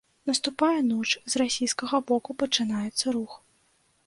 Наступае ноч, з расійскага боку пачынаецца рух.